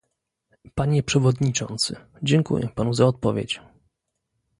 Panie przewodniczący, dziękuję panu za odpowiedź